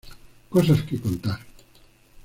Cosas que contar